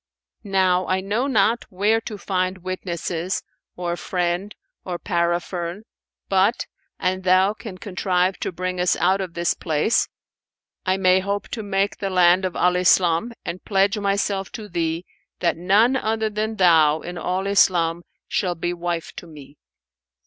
Now I know not where to find witnesses or friend or parapherne; but, an thou can contrive to bring us out of this place, I may hope to make the land of Al Islam, and pledge myself to thee that none other than thou in all Al Islam shall be wife to me."